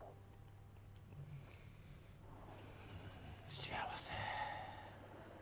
幸せ。